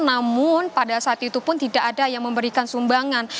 namun pada saat itu pun tidak ada yang memberikan sumbangan